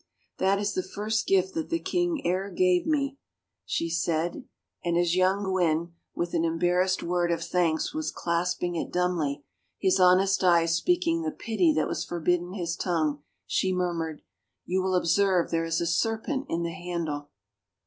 " That is the first gift that the king e'er gave me," she 38s THE FAVOR OF KINGS said, and as young Gwyn, with an embarrassed word of thanks was clasping it dumbly, his honest eyes speaking the pity that was forbidden his tongue, she murmured, " You will observe there is a serpent in the handle."